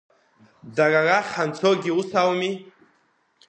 Дара рахь ҳанцогьы ус ауми?